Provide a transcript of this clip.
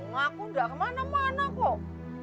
ngaku udah kemana mana kok